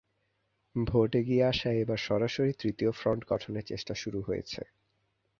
Vote এগিয়ে আসায় এবার সরাসরি তৃতীয় ফ্রন্ট গঠনের চেষ্টা শুরু হয়েছে।